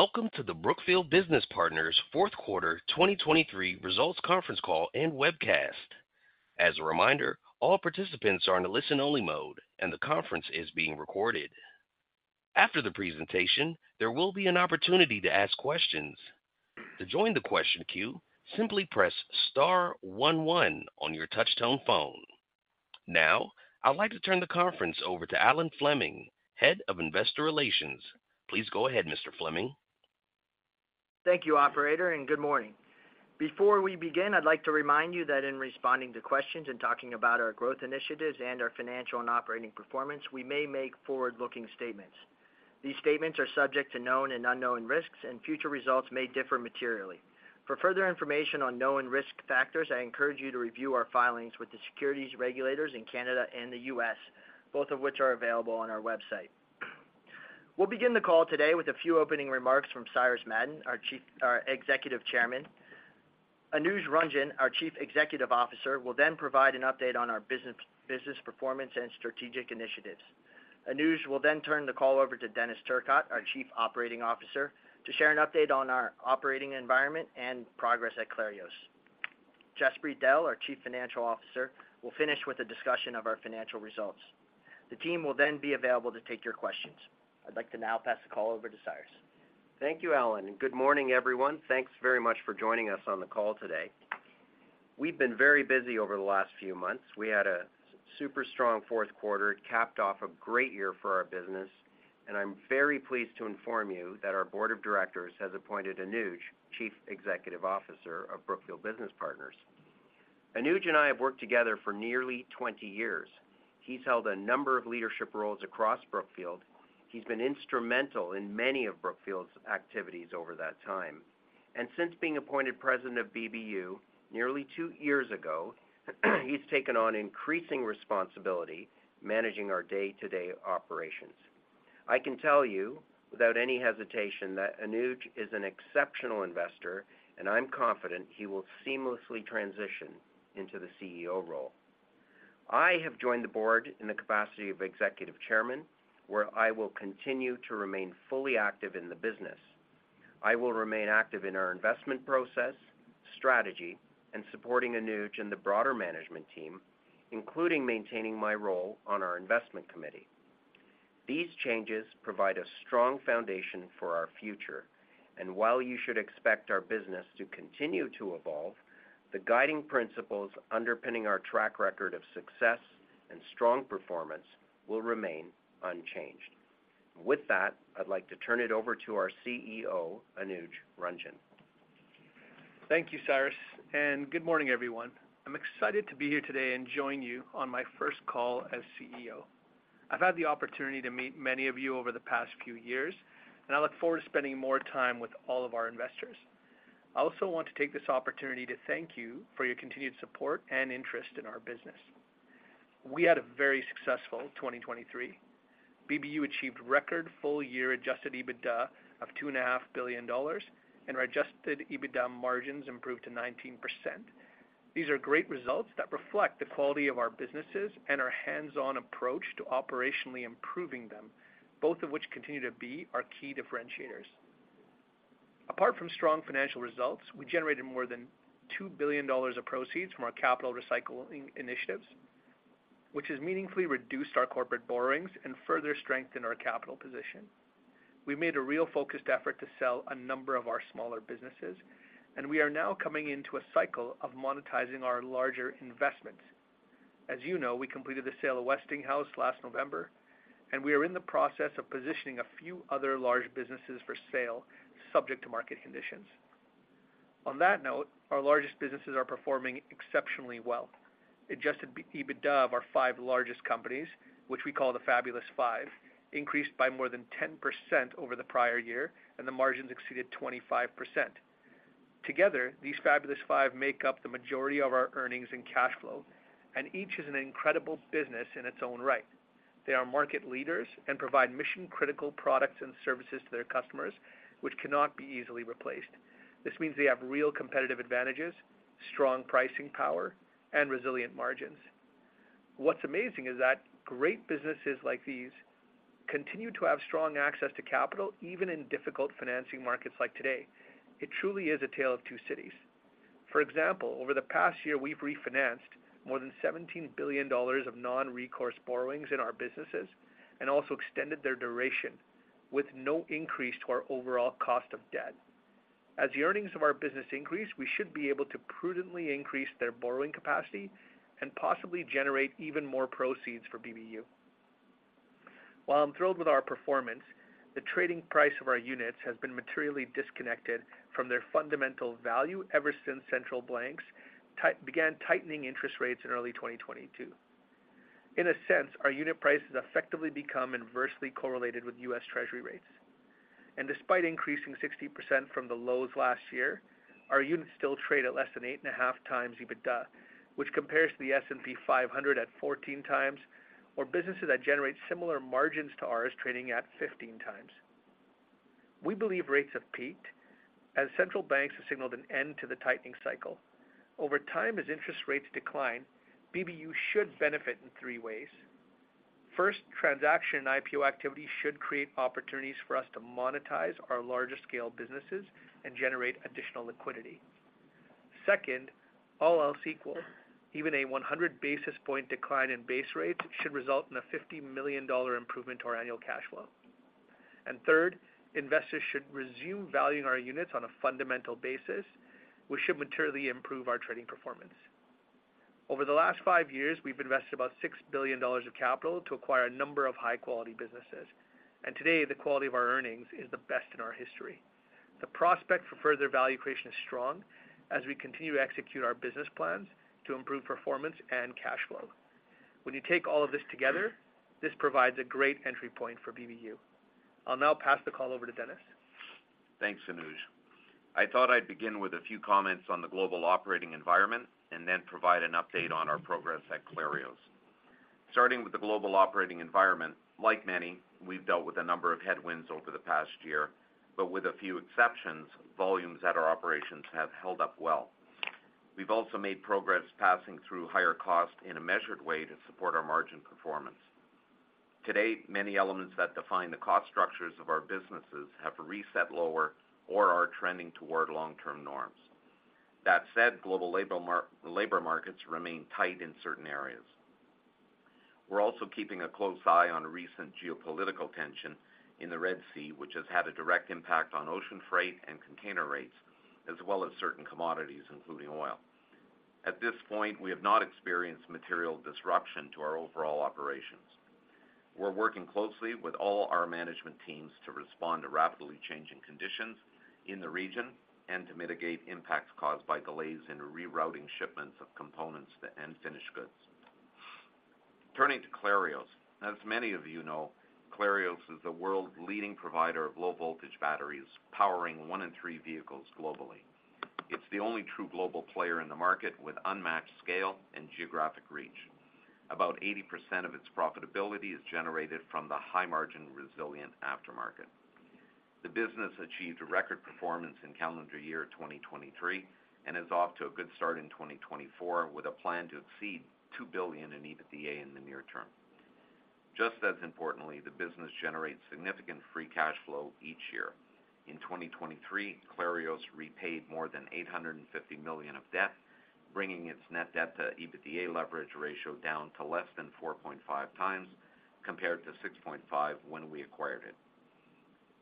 Welcome to the Brookfield Business Partners Fourth Quarter 2023 Results Conference Call and Webcast. As a reminder, all participants are in a listen-only mode, and the conference is being recorded. After the presentation, there will be an opportunity to ask questions. To join the question queue, simply press star one one on your touchtone phone. Now, I'd like to turn the conference over to Alan Fleming, Head of Investor Relations. Please go ahead, Mr. Fleming. Thank you, operator, and good morning. Before we begin, I'd like to remind you that in responding to questions and talking about our growth initiatives and our financial and operating performance, we may make forward-looking statements. These statements are subject to known and unknown risks, and future results may differ materially. For further information on known risk factors, I encourage you to review our filings with the securities regulators in Canada and the U.S., both of which are available on our website. We'll begin the call today with a few opening remarks from Cyrus Madon, our Executive Chairman. Anuj Ranjan, our Chief Executive Officer, will then provide an update on our business, business performance, and strategic initiatives. Anuj will then turn the call over to Denis Turcotte, our Chief Operating Officer, to share an update on our operating environment and progress at Clarios. Jaspreet Dehl, our Chief Financial Officer, will finish with a discussion of our financial results. The team will then be available to take your questions. I'd like to now pass the call over to Cyrus. Thank you, Alan, and good morning, everyone. Thanks very much for joining us on the call today. We've been very busy over the last few months. We had a super strong fourth quarter. It capped off a great year for our business, and I'm very pleased to inform you that our board of directors has appointed Anuj, Chief Executive Officer of Brookfield Business Partners. Anuj and I have worked together for nearly 20 years. He's held a number of leadership roles across Brookfield. He's been instrumental in many of Brookfield's activities over that time. And since being appointed President of BBU nearly 2 years ago, he's taken on increasing responsibility managing our day-to-day operations. I can tell you, without any hesitation, that Anuj is an exceptional investor, and I'm confident he will seamlessly transition into the CEO role. I have joined the board in the capacity of Executive Chairman, where I will continue to remain fully active in the business. I will remain active in our investment process, strategy, and supporting Anuj and the broader management team, including maintaining my role on our investment committee. These changes provide a strong foundation for our future, and while you should expect our business to continue to evolve, the guiding principles underpinning our track record of success and strong performance will remain unchanged. With that, I'd like to turn it over to our CEO, Anuj Ranjan. Thank you, Cyrus, and good morning, everyone. I'm excited to be here today and join you on my first call as CEO. I've had the opportunity to meet many of you over the past few years, and I look forward to spending more time with all of our investors. I also want to take this opportunity to thank you for your continued support and interest in our business. We had a very successful 2023. BBU achieved record full-year Adjusted EBITDA of $2.5 billion, and our Adjusted EBITDA margins improved to 19%. These are great results that reflect the quality of our businesses and our hands-on approach to operationally improving them, both of which continue to be our key differentiators. Apart from strong financial results, we generated more than $2 billion of proceeds from our capital recycling initiatives, which has meaningfully reduced our corporate borrowings and further strengthened our capital position. We made a real focused effort to sell a number of our smaller businesses, and we are now coming into a cycle of monetizing our larger investments. As you know, we completed the sale of Westinghouse last November, and we are in the process of positioning a few other large businesses for sale, subject to market conditions. On that note, our largest businesses are performing exceptionally well. Adjusted EBITDA of our five largest companies, which we call the Fabulous Five, increased by more than 10% over the prior year, and the margins exceeded 25%. Together, these Fabulous Five make up the majority of our earnings and cash flow, and each is an incredible business in its own right. They are market leaders and provide mission-critical products and services to their customers, which cannot be easily replaced. This means they have real competitive advantages, strong pricing power, and resilient margins. What's amazing is that great businesses like these continue to have strong access to capital, even in difficult financing markets like today. It truly is a tale of two cities. For example, over the past year, we've refinanced more than $17 billion of non-recourse borrowings in our businesses and also extended their duration with no increase to our overall cost of debt. As the earnings of our business increase, we should be able to prudently increase their borrowing capacity and possibly generate even more proceeds for BBU. While I'm thrilled with our performance, the trading price of our units has been materially disconnected from their fundamental value ever since central banks began tightening interest rates in early 2022. In a sense, our unit price has effectively become inversely correlated with U.S. Treasury rates. Despite increasing 60% from the lows last year, our units still trade at less than 8.5 times EBITDA, which compares to the S&P 500 at 14 times, or businesses that generate similar margins to ours, trading at 15 times. We believe rates have peaked as central banks have signaled an end to the tightening cycle. Over time, as interest rates decline, BBU should benefit in three ways. First, transaction and IPO activity should create opportunities for us to monetize our larger-scale businesses and generate additional liquidity. Second, all else equal, even a 100 basis point decline in base rates should result in a $50 million improvement to our annual cash flow. Third, investors should resume valuing our units on a fundamental basis, which should materially improve our trading performance. Over the last five years, we've invested about $6 billion of capital to acquire a number of high-quality businesses, and today, the quality of our earnings is the best in our history. The prospect for further value creation is strong as we continue to execute our business plans to improve performance and cash flow. When you take all of this together, this provides a great entry point for BBU. I'll now pass the call over to Denis. Thanks, Anuj. I thought I'd begin with a few comments on the global operating environment and then provide an update on our progress at Clarios. Starting with the global operating environment, like many, we've dealt with a number of headwinds over the past year, but with a few exceptions, volumes at our operations have held up well. We've also made progress passing through higher costs in a measured way to support our margin performance. To date, many elements that define the cost structures of our businesses have reset lower or are trending toward long-term norms. That said, global labor markets remain tight in certain areas. We're also keeping a close eye on recent geopolitical tension in the Red Sea, which has had a direct impact on ocean freight and container rates, as well as certain commodities, including oil. At this point, we have not experienced material disruption to our overall operations. We're working closely with all our management teams to respond to rapidly changing conditions in the region and to mitigate impacts caused by delays in rerouting shipments of components to end finished goods. Turning to Clarios. As many of you know, Clarios is the world's leading provider of low-voltage batteries, powering one in three vehicles globally. It's the only true global player in the market with unmatched scale and geographic reach. About 80% of its profitability is generated from the high-margin, resilient aftermarket. The business achieved a record performance in calendar year 2023 and is off to a good start in 2024, with a plan to exceed $2 billion in EBITDA in the near term. Just as importantly, the business generates significant free cash flow each year. In 2023, Clarios repaid more than $850 million of debt, bringing its net debt to EBITDA leverage ratio down to less than 4.5 times, compared to 6.5 when we acquired it.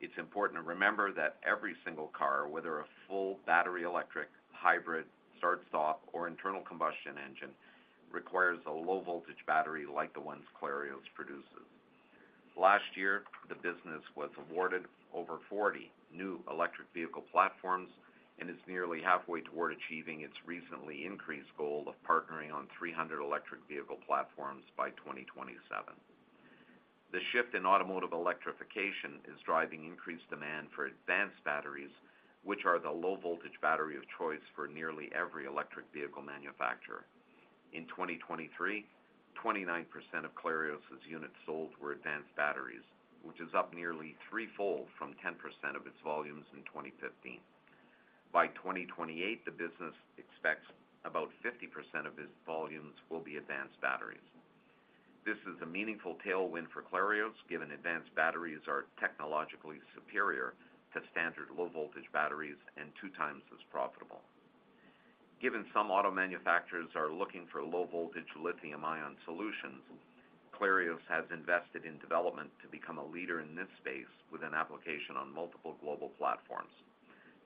It's important to remember that every single car, whether a full battery, electric, hybrid, start-stop, or internal combustion engine, requires a low-voltage battery like the ones Clarios produces. Last year, the business was awarded over 40 new electric vehicle platforms and is nearly halfway toward achieving its recently increased goal of partnering on 300 electric vehicle platforms by 2027. The shift in automotive electrification is driving increased demand for advanced batteries, which are the low-voltage battery of choice for nearly every electric vehicle manufacturer. In 2023, 29% of Clarios' units sold were advanced batteries, which is up nearly threefold from 10% of its volumes in 2015. By 2028, the business expects about 50% of its volumes will be advanced batteries. This is a meaningful tailwind for Clarios, given advanced batteries are technologically superior to standard low-voltage batteries and two times as profitable. Given some auto manufacturers are looking for low-voltage lithium-ion solutions, Clarios has invested in development to become a leader in this space with an application on multiple global platforms,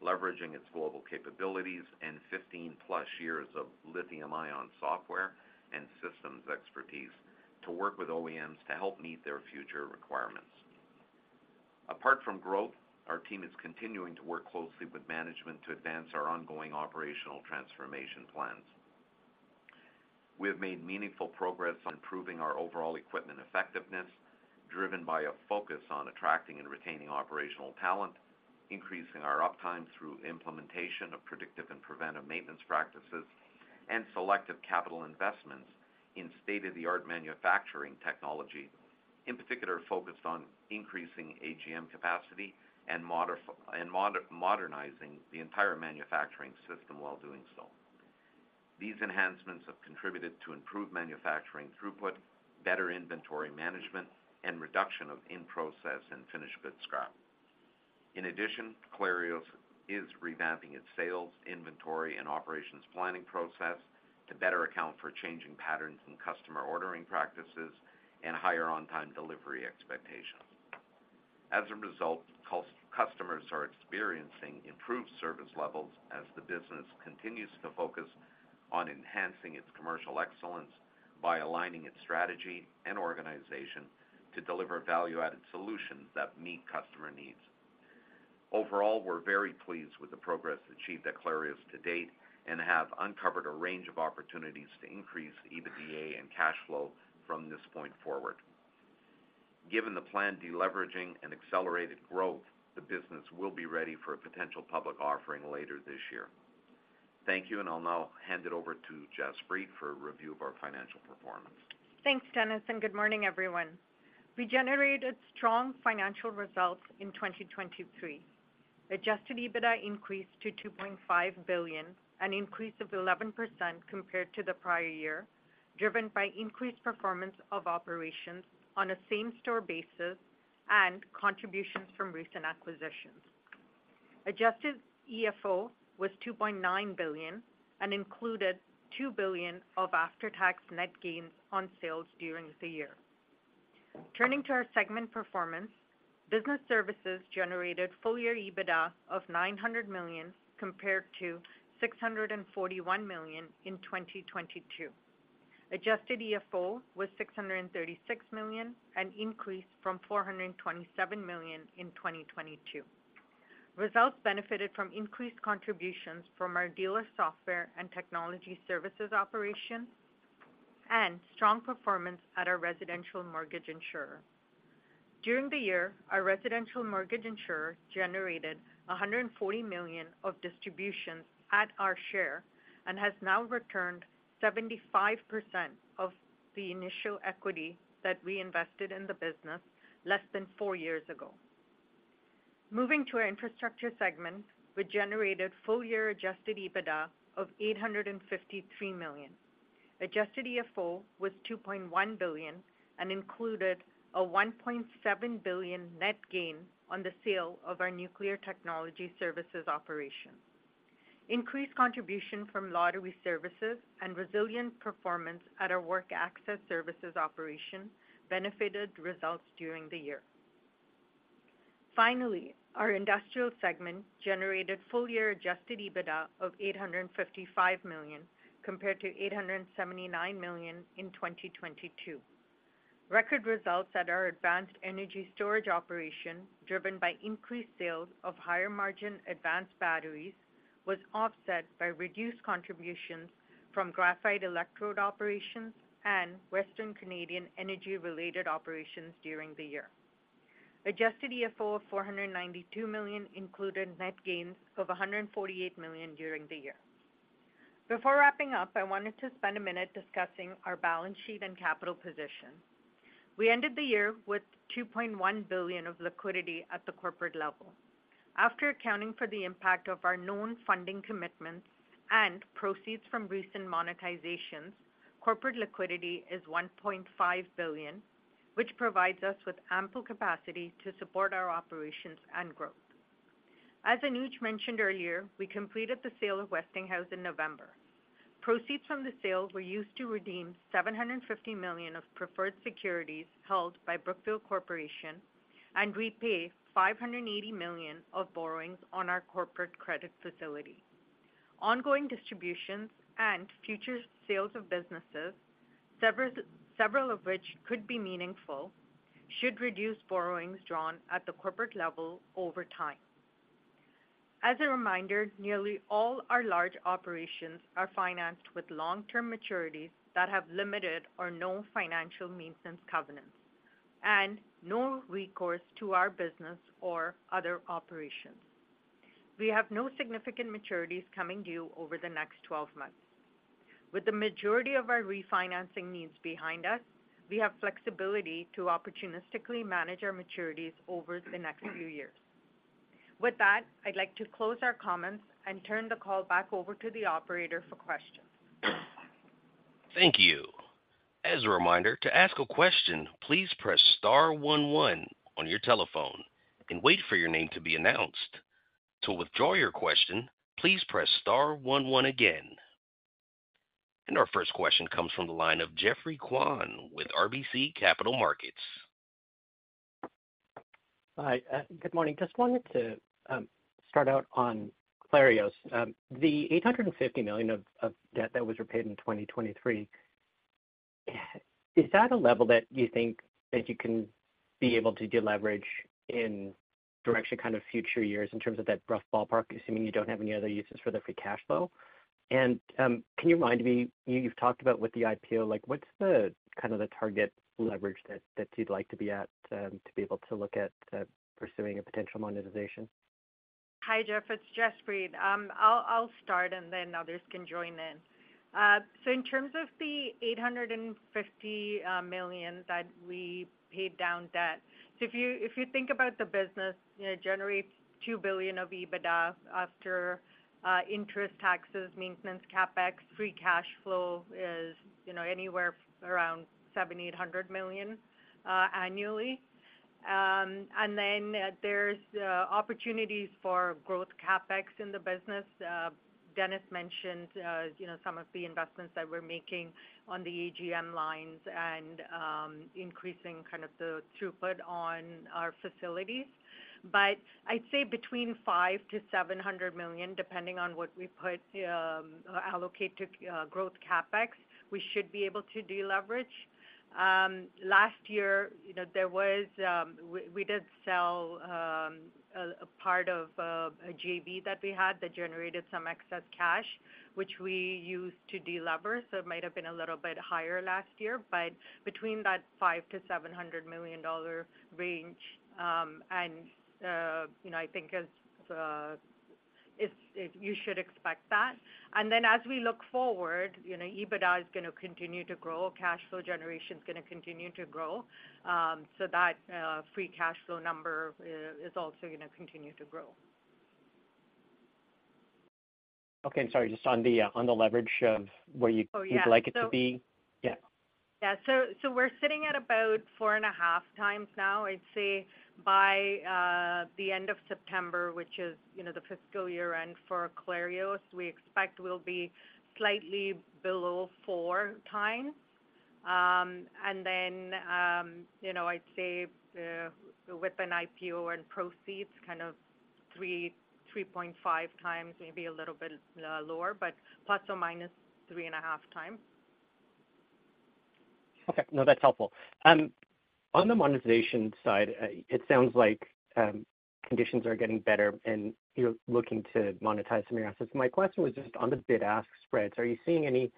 leveraging its global capabilities and 15+ years of lithium-ion software and systems expertise to work with OEMs to help meet their future requirements. Apart from growth, our team is continuing to work closely with management to advance our ongoing operational transformation plans. We have made meaningful progress on improving our overall equipment effectiveness, driven by a focus on attracting and retaining operational talent, increasing our uptime through implementation of predictive and preventive maintenance practices, and selective capital investments in state-of-the-art manufacturing technology, in particular, focused on increasing AGM capacity and modernizing the entire manufacturing system while doing so. These enhancements have contributed to improved manufacturing throughput, better inventory management, and reduction of in-process and finished good scrap. In addition, Clarios is revamping its sales, inventory, and operations planning process to better account for changing patterns in customer ordering practices and higher on-time delivery expectations. As a result, customers are experiencing improved service levels as the business continues to focus on enhancing its commercial excellence by aligning its strategy and organization to deliver value-added solutions that meet customer needs. Overall, we're very pleased with the progress achieved at Clarios to date and have uncovered a range of opportunities to increase EBITDA and cash flow from this point forward. Given the planned de-leveraging and accelerated growth, the business will be ready for a potential public offering later this year. Thank you, and I'll now hand it over to Jaspreet for a review of our financial performance. Thanks, Denis, and good morning, everyone. We generated strong financial results in 2023 Adjusted EBITDA increased to $2.5 billion, an increase of 11% compared to the prior year, driven by increased performance of operations on a same-store basis and contributions from recent acquisitions. Adjusted EFO was $2.9 billion and included $2 billion of after-tax net gains on sales during the year. Turning to our segment performance, business services generated full-year EBITDA of $900 million, compared to $641 million in 2022. Adjusted EFO was $636 million, an increase from $427 million in 2022. Results benefited from increased contributions from our dealer software and technology services operations and strong performance at our residential mortgage insurer. During the year, our residential mortgage insurer generated $140 million of distributions at our share and has now returned 75% of the initial equity that we invested in the business less than four years ago. Moving to our infrastructure segment, we generated full-year Adjusted EBITDA of $853 million. Adjusted EFO was $2.1 billion and included a $1.7 billion net gain on the sale of our nuclear technology services operation. Increased contribution from lottery services and resilient performance at our work access services operation benefited results during the year. Finally, our industrial segment generated full-year Adjusted EBITDA of $855 million, compared to $879 million in 2022. Record results at our advanced energy storage operation, driven by increased sales of higher-margin advanced batteries, was offset by reduced contributions from graphite electrode operations and Western Canada energy-related operations during the year. Adjusted EFO of $492 million included net gains of $148 million during the year. Before wrapping up, I wanted to spend a minute discussing our balance sheet and capital position. We ended the year with $2.1 billion of liquidity at the corporate level. After accounting for the impact of our known funding commitments and proceeds from recent monetizations, corporate liquidity is $1.5 billion, which provides us with ample capacity to support our operations and growth. As Anuj mentioned earlier, we completed the sale of Westinghouse in November. Proceeds from the sale were used to redeem $750 million of preferred securities held by Brookfield Corporation and repay $580 million of borrowings on our corporate credit facility. Ongoing distributions and future sales of businesses, several of which could be meaningful, should reduce borrowings drawn at the corporate level over time. As a reminder, nearly all our large operations are financed with long-term maturities that have limited or no financial maintenance covenants and no recourse to our business or other operations. We have no significant maturities coming due over the next 12 months. With the majority of our refinancing needs behind us, we have flexibility to opportunistically manage our maturities over the next few years. With that, I'd like to close our comments and turn the call back over to the operator for questions. Thank you. As a reminder, to ask a question, please press star one one on your telephone and wait for your name to be announced. To withdraw your question, please press star one one again. Our first question comes from the line of Geoffrey Kwan with RBC Capital Markets. Hi, good morning. Just wanted to start out on Clarios. The $850 million of debt that was repaid in 2023, is that a level that you think that you can be able to de-leverage in direction, kind of future years in terms of that rough ballpark, assuming you don't have any other uses for the free cash flow? And, can you remind me, you've talked about with the IPO, like, what's the kind of the target leverage that you'd like to be at, to be able to look at pursuing a potential monetization? Hi, Geoff, it's Jaspreet. I'll start, and then others can join in. So in terms of the $850 million that we paid down debt, so if you think about the business, it generates $2 billion of EBITDA after interest, taxes, maintenance CapEx, free cash flow is, you know, anywhere around $700 million-$800 million annually. And then there's opportunities for growth CapEx in the business. Denis mentioned, you know, some of the investments that we're making on the AGM lines and increasing kind of the throughput on our facilities. But I'd say between $500 million-$700 million, depending on what we allocate to growth CapEx, we should be able to de-leverage. Last year, you know, there was— We did sell a part of a JV that we had that generated some excess cash, which we used to de-lever, so it might have been a little bit higher last year, but between that $500 million-$700 million range. And you know, I think if you should expect that. And then as we look forward, you know, EBITDA is going to continue to grow, cash flow generation is going to continue to grow, so that free cash flow number is also going to continue to grow. Okay, sorry. Just on the, on the leverage of where you— Oh, yeah. you'd like it to be? Yeah. Yeah. So, we're sitting at about 4.5x now. I'd say by the end of September, which is, you know, the fiscal year end for Clarios, we expect we'll be slightly below 4x. And then, you know, I'd say, with an IPO and proceeds, kind of 3—3.5x, maybe a little bit lower, but ±3.5x. Okay. No, that's helpful. On the monetization side, it sounds like conditions are getting better and you're looking to monetize some of your assets. My question was just on the bid-ask spreads. Are you seeing any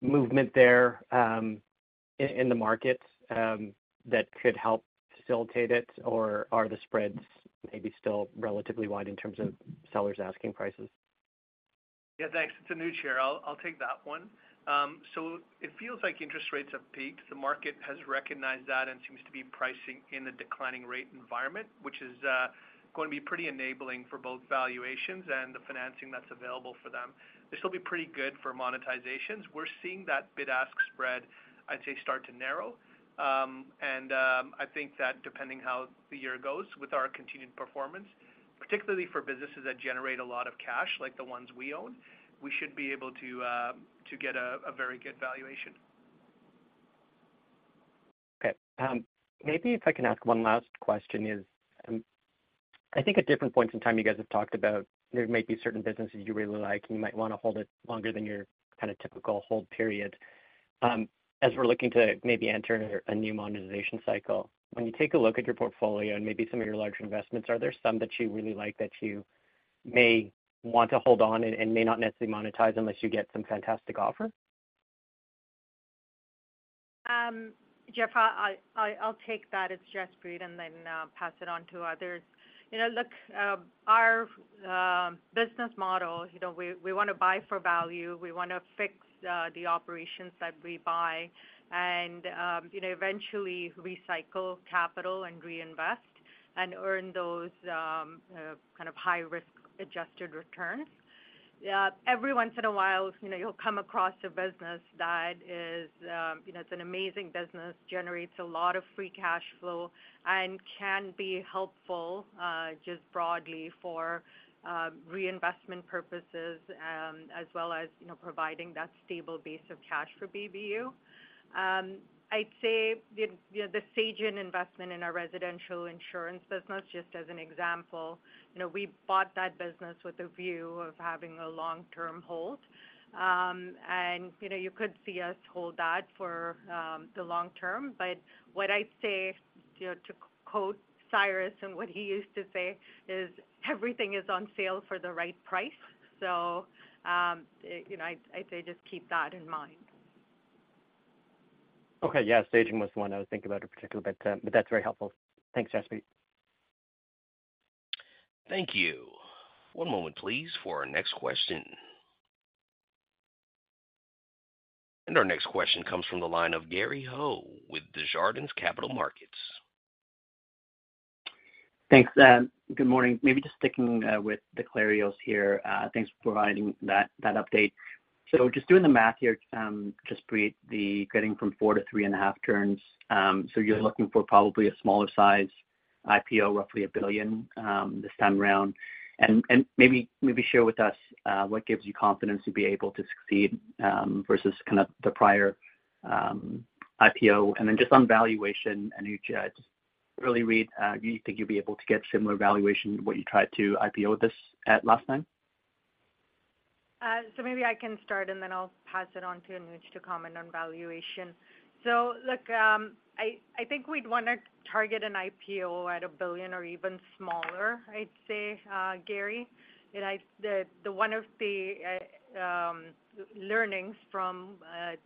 movement there, in the markets, that could help facilitate it? Or are the spreads maybe still relatively wide in terms of sellers asking prices? Yeah, thanks. It's Anuj here. I'll, I'll take that one. So it feels like interest rates have peaked. The market has recognized that and seems to be pricing in a declining rate environment, which is going to be pretty enabling for both valuations and the financing that's available for them. This will be pretty good for monetizations. We're seeing that bid-ask spread, I'd say, start to narrow. And I think that depending how the year goes with our continued performance, particularly for businesses that generate a lot of cash, like the ones we own, we should be able to to get a a very good valuation. Okay. Maybe if I can ask one last question is, I think at different points in time, you guys have talked about there might be certain businesses you really like, and you might want to hold it longer than your kind of typical hold period. As we're looking to maybe enter a new monetization cycle, when you take a look at your portfolio and maybe some of your larger investments, are there some that you really like that you may want to hold on and, and may not necessarily monetize unless you get some fantastic offer?G Geoff, I'll take that. It's Jaspreet, and then pass it on to others. You know, look, our business model, you know, we want to buy for value. We want to fix the operations that we buy and, you know, eventually recycle capital and reinvest and earn those kind of high risk-adjusted returns. Every once in a while, you know, you'll come across a business that is, you know, it's an amazing business, generates a lot of free cash flow and can be helpful just broadly for reinvestment purposes, as well as, you know, providing that stable base of cash for BBU. I'd say the, you know, the Sagen investment in our residential insurance business, just as an example, you know, we bought that business with a view of having a long-term hold. You know, you could see us hold that for the long term. But what I'd say, you know, to quote Cyrus and what he used to say is, "Everything is on sale for the right price." You know, I'd say just keep that in mind. Okay. Yeah, Sagen was one I was thinking about in particular, but, but that's very helpful. Thanks, Jaspreet. Thank you. One moment, please, for our next question. Our next question comes from the line of Gary Ho with Desjardins Capital Markets. Thanks. Good morning. Maybe just sticking with the Clarios here. Thanks for providing that update. So just doing the math here, just curious about getting from 4 to 3.5 turns. So you're looking for probably a smaller size IPO, roughly $1 billion, this time around. And maybe share with us what gives you confidence to be able to succeed versus kind of the prior IPO? And then just on valuation, Anuj, I just wonder if you think you'll be able to get similar valuation, what you tried to IPO it at last time? So maybe I can start, and then I'll pass it on to Anuj to comment on valuation. So look, I think we'd want to target an IPO at $1 billion or even smaller, I'd say, Gary. And one of the learnings from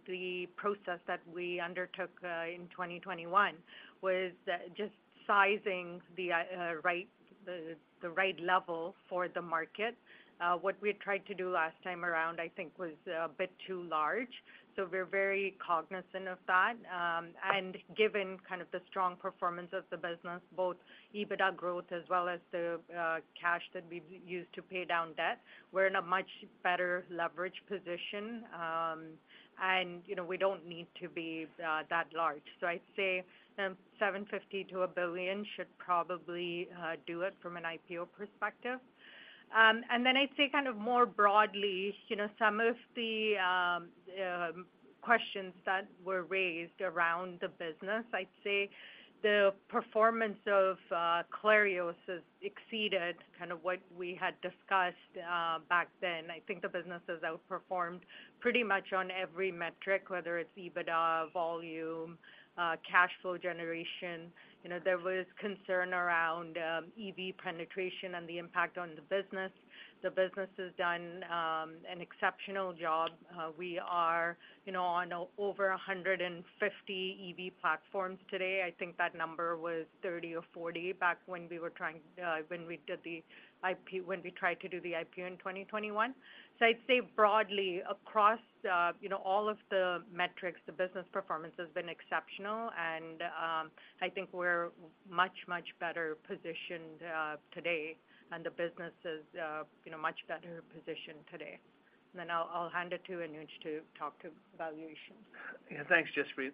the process that we undertook in 2021 was just sizing the right level for the market. What we tried to do last time around, I think, was a bit too large, so we're very cognizant of that. And given kind of the strong performance of the business, both EBITDA growth as well as the cash that we've used to pay down debt, we're in a much better leverage position. And, you know, we don't need to be that large. So I'd say, 750 million-$1 billion should probably do it from an IPO perspective. And then I'd say kind of more broadly, you know, some of the questions that were raised around the business, I'd say the performance of Clarios has exceeded kind of what we had discussed back then. I think the business has outperformed pretty much on every metric, whether it's EBITDA, volume, cash flow generation. You know, there was concern around EV penetration and the impact on the business. The business has done an exceptional job. We are, you know, on over 150 EV platforms today. I think that number was 30 or 40 back when we were trying, when we tried to do the IPO in 2021. So I'd say broadly across, you know, all of the metrics, the business performance has been exceptional and, I think we're much, much better positioned, today, and the business is, you know, much better positioned today. Then I'll hand it to Anuj to talk to valuations. Yeah, thanks, Jaspreet.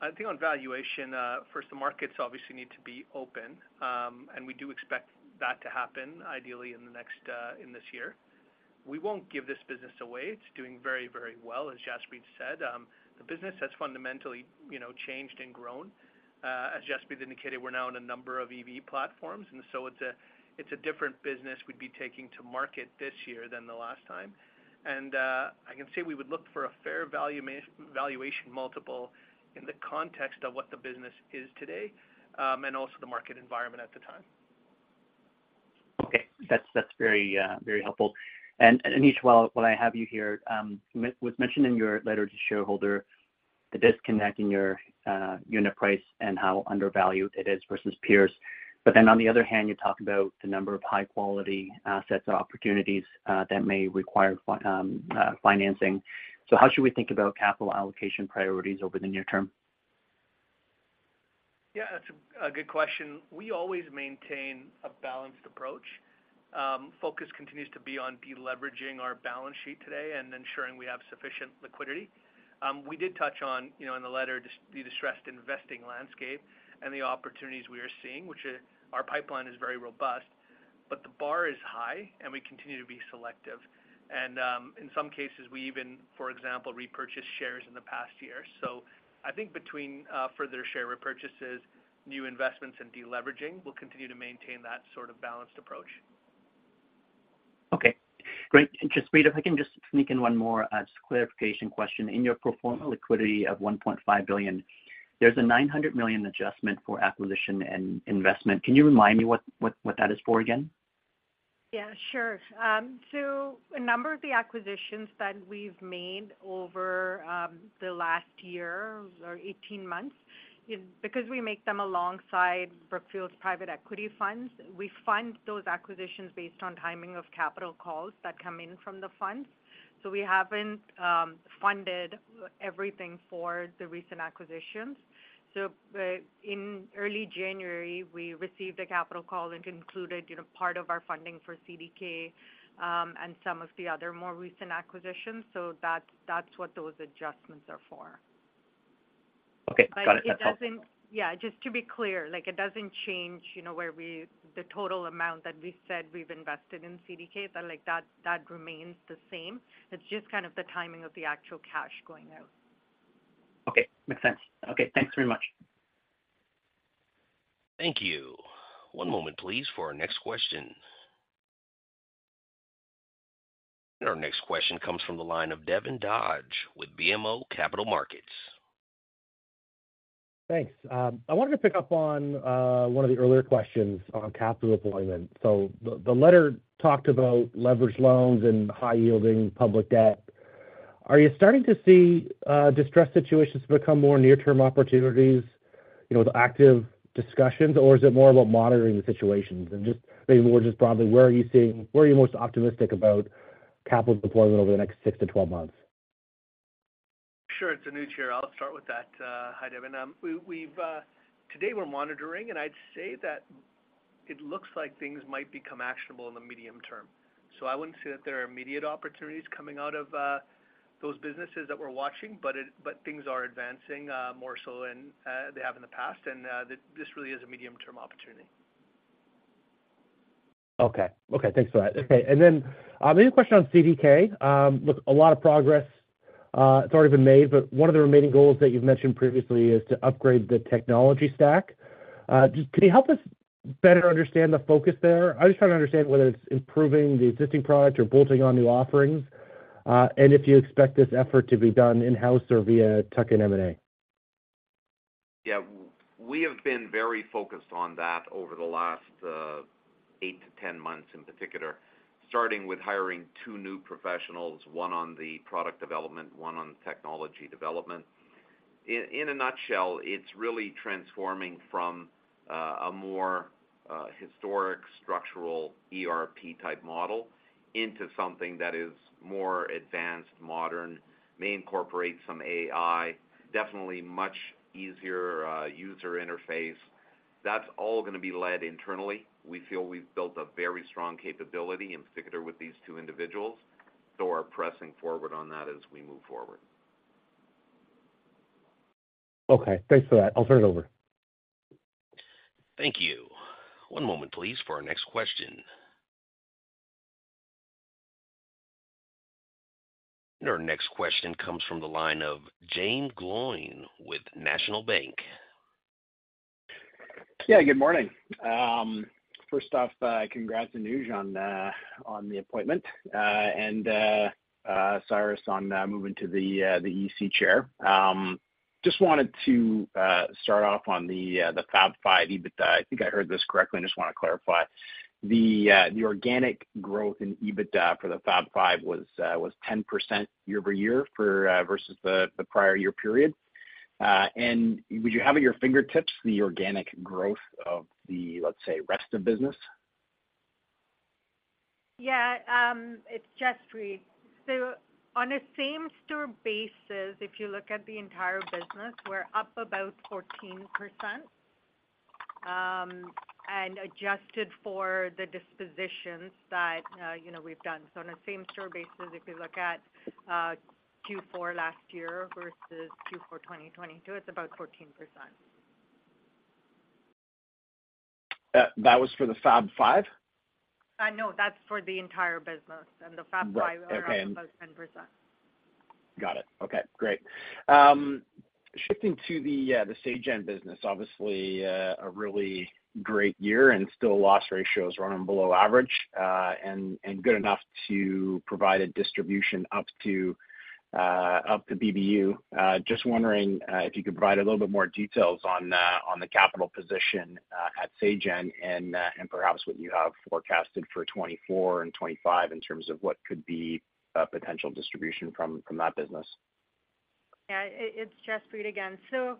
I think on valuation, first, the markets obviously need to be open, and we do expect that to happen ideally in the next, in this year. We won't give this business away. It's doing very, very well. As Jaspreet said, the business has fundamentally, you know, changed and grown. As Jaspreet indicated, we're now in a number of EV platforms, and so it's a, it's a different business we'd be taking to market this year than the last time. And, I can say we would look for a fair value valuation multiple in the context of what the business is today, and also the market environment at the time. Okay. That's, that's very helpful. And, Anuj, while, while I have you here, was mentioned in your letter to shareholder, the disconnect in your unit price and how undervalued it is versus peers. But then on the other hand, you talk about the number of high-quality assets and opportunities that may require financing. So how should we think about capital allocation priorities over the near term? Yeah, that's a good question. We always maintain a balanced approach. Focus continues to be on de-leveraging our balance sheet today and ensuring we have sufficient liquidity. We did touch on, you know, in the letter, the distressed investing landscape and the opportunities we are seeing, which is, our pipeline is very robust, but the bar is high, and we continue to be selective. And, in some cases, we even, for example, repurchased shares in the past year. So I think between, further share repurchases, new investments, and de-leveraging, we'll continue to maintain that sort of balanced approach. Okay, great. And Jaspreet, if I can just sneak in one more, just clarification question. In your pro forma liquidity of $1.5 billion, there's a $900 million adjustment for acquisition and investment. Can you remind me what, what, what that is for again? Yeah, sure. So a number of the acquisitions that we've made over the last year or 18 months, because we make them alongside Brookfield's private equity funds, we fund those acquisitions based on timing of capital calls that come in from the funds. So we haven't funded everything for the recent acquisitions. So, in early January, we received a capital call and concluded, you know, part of our funding for CDK and some of the other more recent acquisitions. So that's what those adjustments are for. Okay, got it. But it doesn't—yeah, just to be clear, like, it doesn't change, you know, the total amount that we said we've invested in CDK. So like, that, that remains the same. It's just kind of the timing of the actual cash going out. Okay, makes sense. Okay, thanks very much. Thank you. One moment, please, for our next question. Our next question comes from the line of Devin Dodge with BMO Capital Markets. Thanks. I wanted to pick up on one of the earlier questions on capital deployment. So the letter talked about leveraged loans and high-yielding public debt. Are you starting to see distressed situations become more near-term opportunities, you know, with active discussions, or is it more about monitoring the situations? And just maybe more just broadly, where are you most optimistic about capital deployment over the next six to twelve months? Sure. It's Anuj here. I'll start with that. Hi, Devin. We've today we're monitoring, and I'd say that it looks like things might become actionable in the medium term. So I wouldn't say that there are immediate opportunities coming out of those businesses that we're watching, but things are advancing more so than they have in the past, and this really is a medium-term opportunity. Okay. Okay, thanks for that. Okay, and then, maybe a question on CDK. Look, a lot of progress, it's already been made, but one of the remaining goals that you've mentioned previously is to upgrade the technology stack. Can you help us better understand the focus there? I'm just trying to understand whether it's improving the existing product or building on new offerings, and if you expect this effort to be done in-house or via tuck-in M&A. Yeah. We have been very focused on that over the last 8-10 months in particular, starting with hiring 2 new professionals, 1 on the product development, 1 on technology development. In a nutshell, it's really transforming from a more historic structural ERP-type model into something that is more advanced, modern, may incorporate some AI, definitely much easier user interface. That's all gonna be led internally. We feel we've built a very strong capability, in particular with these 2 individuals, so are pressing forward on that as we move forward. Okay, thanks for that. I'll turn it over. Thank you. One moment, please, for our next question. Our next question comes from the line of Jaeme Gloyn with National Bank. Yeah, good morning. First off, congrats, Anuj, on the appointment, and Cyrus, on moving to the EC chair. Just wanted to start off on the Fab Five EBITDA. I think I heard this correctly, and I just want to clarify. The organic growth in EBITDA for the Fab Five was 10% year-over-year versus the prior year period. And would you have at your fingertips the organic growth of the, let's say, rest of business? Yeah, it's Jaspreet. So on a same-store basis, if you look at the entire business, we're up about 14% and adjusted for the dispositions that, you know, we've done. So on a same-store basis, if you look at, Q4 last year versus Q4 2022, it's about 14%. That was for the Fab Five? No, that's for the entire business. And the Fab Five— Right. Okay. Was about 10%. Got it. Okay, great. Shifting to the Sagen business. Obviously, a really great year and still loss ratios running below average, and good enough to provide a distribution up to BBU. Just wondering if you could provide a little bit more details on the capital position at Sagen and perhaps what you have forecasted for 2024 and 2025 in terms of what could be a potential distribution from that business. Yeah, it's Jaspreet again. So,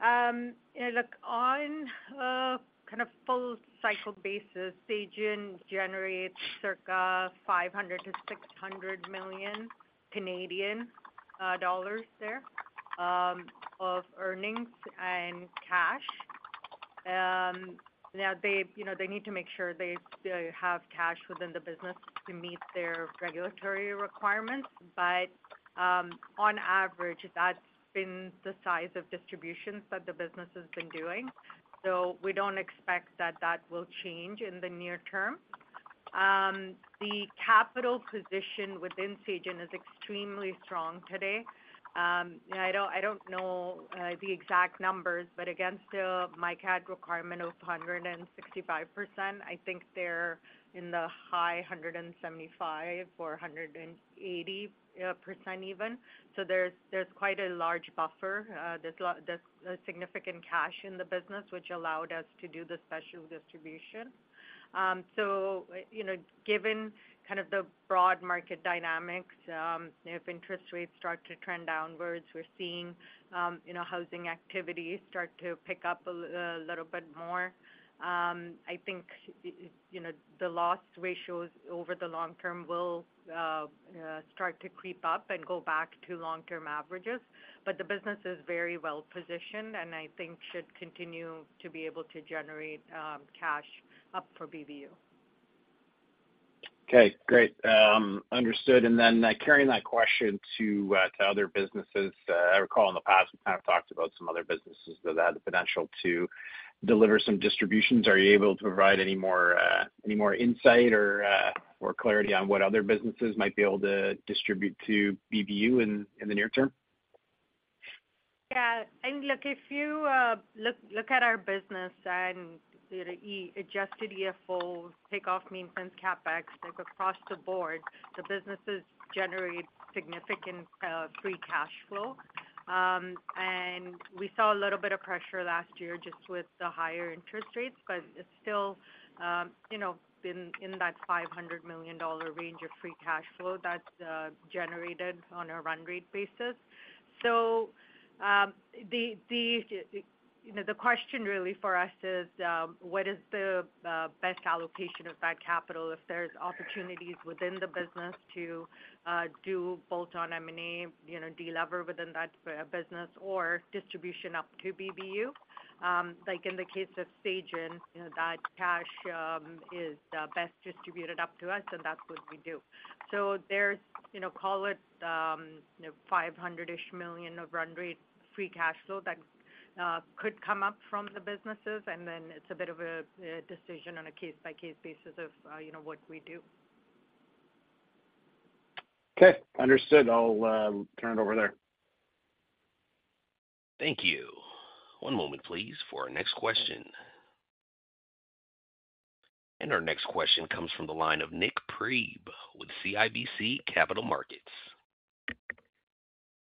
look, on a kind of full cycle basis, Sagen generates circa CAD 500 million-CAD 600 million of earnings and cash. Now they, you know, they need to make sure they have cash within the business to meet their regulatory requirements. But, on average, that's been the size of distributions that the business has been doing, so we don't expect that that will change in the near term. The capital position within Sagen is extremely strong today. I don't know the exact numbers, but against a MCT requirement of 165%, I think they're in the high 175% or 180% even. So there's quite a large buffer. There's significant cash in the business, which allowed us to do the special distribution. So, you know, given kind of the broad market dynamics, if interest rates start to trend downwards, we're seeing, you know, housing activity start to pick up a little bit more. I think, you know, the loss ratios over the long term will start to creep up and go back to long-term averages. But the business is very well positioned and I think should continue to be able to generate cash up for BBU. Okay, great. Understood. And then, carrying that question to other businesses. I recall in the past, we kind of talked about some other businesses that had the potential to deliver some distributions. Are you able to provide any more insight or clarity on what other businesses might be able to distribute to BBU in the near term? Yeah. I mean, look, if you look at our business and, you know, Adjusted EFOs, take off maintenance CapEx, like across the board, the businesses generate significant free cash flow. And we saw a little bit of pressure last year just with the higher interest rates, but it's still, you know, in that $500 million range of free cash flow that's generated on a run rate basis. So, the question really for us is what is the best allocation of that capital if there's opportunities within the business to do bolt-on M&A, you know, de-lever within that business or distribution up to BBU? Like in the case of Sagen, you know, that cash is best distributed up to us, and that's what we do. So there's, you know, call it $500-ish million of run rate free cash flow that could come up from the businesses, and then it's a bit of a decision on a case-by-case basis of, you know, what we do. Okay, understood. I'll turn it over there. Thank you. One moment, please, for our next question. Our next question comes from the line of Nik Priebe with CIBC Capital Markets.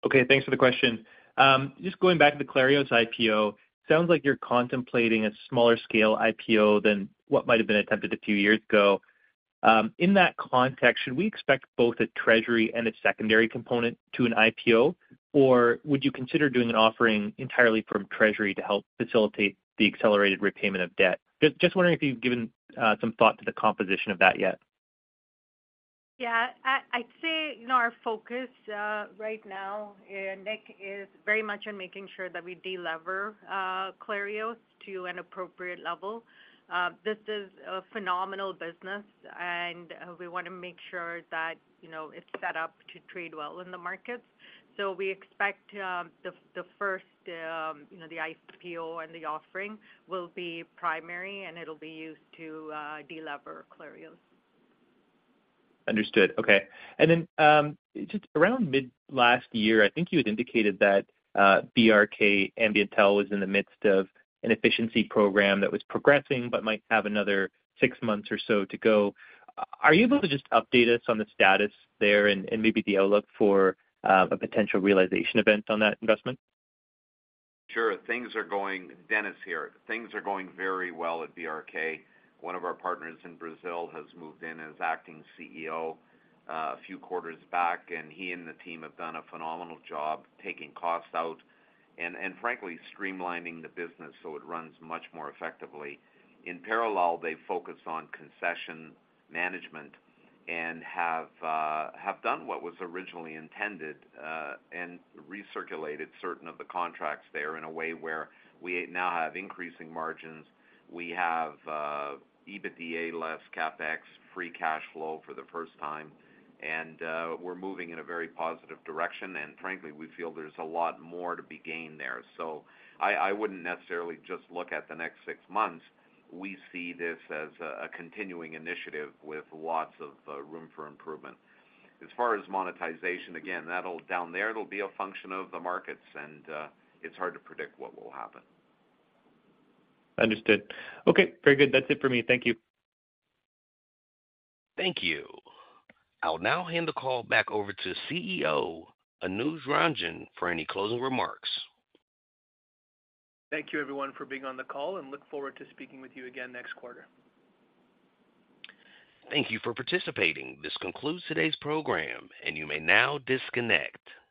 Okay, thanks for the question. Just going back to the Clarios IPO, sounds like you're contemplating a smaller scale IPO than what might have been attempted a few years ago. In that context, should we expect both a treasury and a secondary component to an IPO? Or would you consider doing an offering entirely from treasury to help facilitate the accelerated repayment of debt? Just, just wondering if you've given some thought to the composition of that yet. Yeah. I'd say, you know, our focus, right now, Nik, is very much on making sure that we de-lever Clarios to an appropriate level. This is a phenomenal business, and we want to make sure that, you know, it's set up to trade well in the markets. So we expect the first, you know, the IPO and the offering will be primary, and it'll be used to de-lever Clarios. Understood. Okay. And then, just around mid last year, I think you had indicated that, BRK Ambiental was in the midst of an efficiency program that was progressing but might have another six months or so to go. Are you able to just update us on the status there and, and maybe the outlook for, a potential realization event on that investment? Sure. Things are going—Denis here. Things are going very well at BRK. One of our partners in Brazil has moved in as acting CEO, a few quarters back, and he and the team have done a phenomenal job taking costs out and, and frankly, streamlining the business so it runs much more effectively. In parallel, they've focused on concession management and have, have done what was originally intended, and recirculated certain of the contracts there in a way where we now have increasing margins. We have, EBITDA less CapEx, free cash flow for the first time, and, we're moving in a very positive direction, and frankly, we feel there's a lot more to be gained there. So I, I wouldn't necessarily just look at the next six months. We see this as a, a continuing initiative with lots of, room for improvement. As far as monetization, again, that'll down there, it'll be a function of the markets, and it's hard to predict what will happen. Understood. Okay, very good. That's it for me. Thank you. Thank you. I'll now hand the call back over to CEO, Anuj Ranjan, for any closing remarks. Thank you, everyone, for being on the call, and look forward to speaking with you again next quarter. Thank you for participating. This concludes today's program, and you may now disconnect.